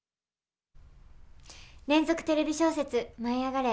連続テレビ小説「舞いあがれ！」